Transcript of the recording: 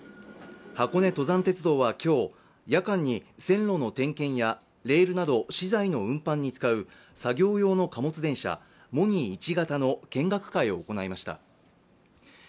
箱根登山鉄道は今日、夜間に線路の点検やレールなど資材の運搬に使う作業用の貨物電車、モニ１形の見学会を行いました。